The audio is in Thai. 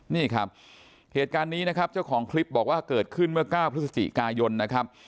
นี่ครับเหตุการณ์นี้นะครับเจ้าของคลิปบอกว่าเกิดขึ้นเมื่อ๙พฤศจิกายนนะครับ